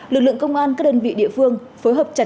lực lượng công an các đơn vị địa phương phối hợp chặt chẽ